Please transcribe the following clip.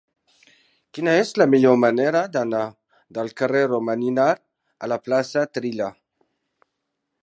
Quina és la millor manera d'anar del carrer del Romaninar a la plaça de Trilla?